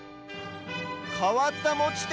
かわったもちて。